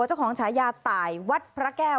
เจ้าของฉายาต่ายวัดพระแก้ว